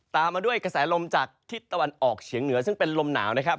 ตามมาด้วยกระแสลมจากทิศตะวันออกเฉียงเหนือซึ่งเป็นลมหนาวนะครับ